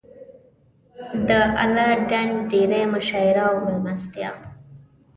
د اله ډنډ ډېرۍ مشاعره او مېلمستیا.